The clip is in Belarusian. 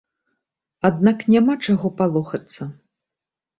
Аднак няма чаго палохацца.